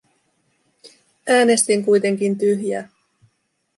Äänestin kuitenkin tyhjää.